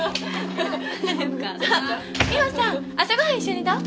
美帆さん朝ごはん一緒にどう？